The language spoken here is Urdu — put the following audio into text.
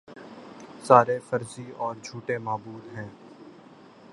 سارے فرضی اور جھوٹے معبود ہیں